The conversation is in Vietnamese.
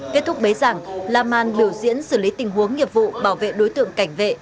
kết thúc bế giảng laman biểu diễn xử lý tình huống nghiệp vụ bảo vệ đối tượng cảnh vệ